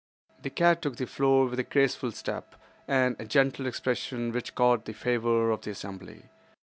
The cat took the floor with a graceful step and a gentle expression which caught the favor of the assembly.